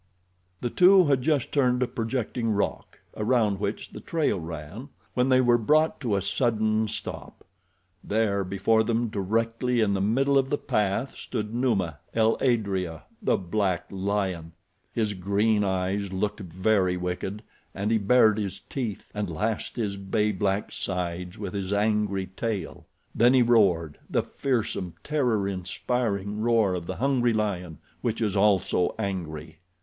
The two had just turned a projecting rock around which the trail ran when they were brought to a sudden stop. There, before them, directly in the middle of the path, stood Numa, el adrea, the black lion. His green eyes looked very wicked, and he bared his teeth, and lashed his bay black sides with his angry tail. Then he roared—the fearsome, terror inspiring roar of the hungry lion which is also angry.